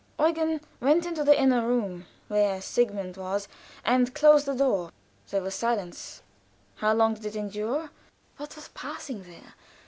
Eugen went into the inner room where Sigmund was, and closed the door. There was silence. How long did it endure? What was passing there?